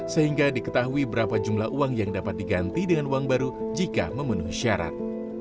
sehingga diketahui berapa jumlah uang yang dapat diganti dengan uang baru jika memenuhi syarat